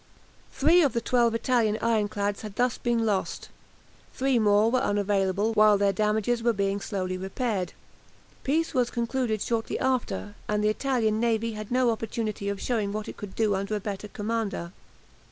Three of the twelve Italian ironclads had thus been lost. Three more were unavailable while their damages were being slowly repaired. Peace was concluded shortly after, and the Italian navy had no opportunity of showing what it could do under a better commander.